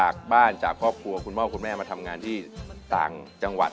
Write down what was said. จากบ้านจากครอบครัวคุณพ่อคุณแม่มาทำงานที่ต่างจังหวัด